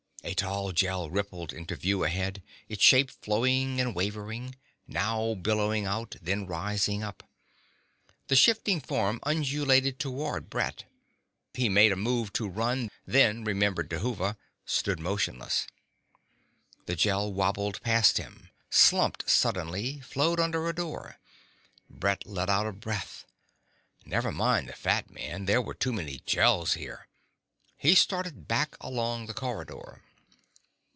A tall Gel rippled into view ahead, its shape flowing and wavering, now billowing out, then rising up. The shifting form undulated toward Brett. He made a move to run, then remembered Dhuva, stood motionless. The Gel wobbled past him, slumped suddenly, flowed under a door. Brett let out a breath. Never mind the fat man. There were too many Gels here. He started back along the corridor.